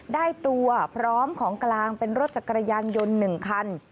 ได้ตัวพร้อมของกลางเป็นรถจักรยานยนต์๑คัน